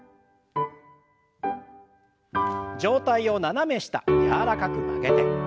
上体を斜め下柔らかく曲げて。